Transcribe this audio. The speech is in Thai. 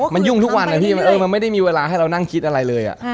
มันยุ่งทุกวันนะพี่มันไม่ได้มีเวลาให้เรานั่งคิดอะไรเลย